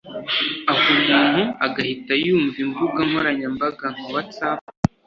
aha umuntu agahita yumva imbuga nkoranyambaga nka whatsapp